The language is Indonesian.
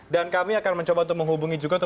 dan kami akan mencoba untuk menghubungi juga untuk